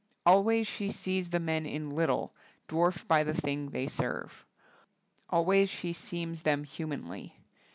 Al ways she sees the men in little, dwarfed by the thing they serve. Al ways she seems them humanly.